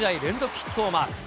ヒットをマーク。